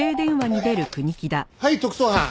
はい特捜班。